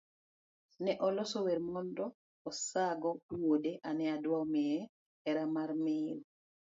Ne oloso wer mondo osago wuode ane odwa miye hera mar miyo.